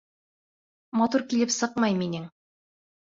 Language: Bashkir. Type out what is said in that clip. Матур килеп сыҡмай минең.